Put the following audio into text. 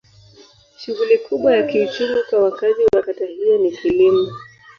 Shughuli kubwa ya kiuchumi kwa wakazi wa kata hiyo ni kilimo.